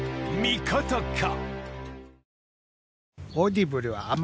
味方か？